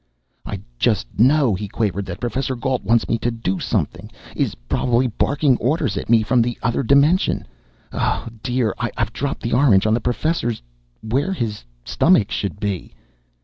"I just know," he quavered, "that Professor Gault wants me to do something, is probably barking orders at me from that other dimension oh dear, I've dropped the orange on the Professor's where his stomach should be!"